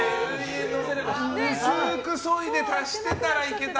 薄くそいで足してたらいけた。